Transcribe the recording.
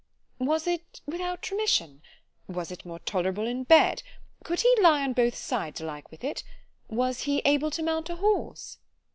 "——Was it without remission?— "——Was it more tolerable in bed? "——Could he lie on both sides alike with it? "——Was he able to mount a horse?